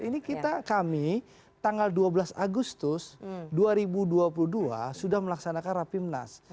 ini kita kami tanggal dua belas agustus dua ribu dua puluh dua sudah melaksanakan rapimnas